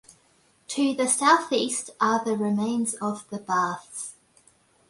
To the southeast are the remains of the baths.